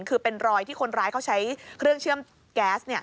คือเป็นรอยที่คนร้ายเขาใช้เครื่องเชื่อมแก๊ส